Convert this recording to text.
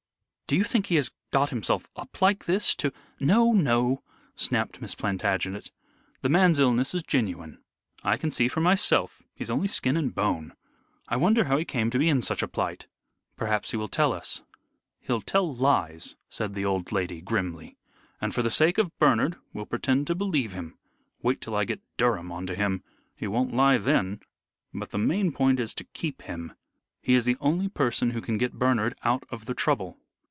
"Do you think he has got himself up like this to " "No, no!" snapped Miss Plantagenet, "the man's illness is genuine. I can see for myself, he's only skin and bone. I wonder how he came to be in such a plight?" "Perhaps he will tell us." "He'll tell lies," said the old lady, grimly. "And for the sake of Bernard we'll pretend to believe him. Wait till I get Durham on to him. He won't lie then. But the main point is to keep him. He is the only person who can get Bernard out of the trouble."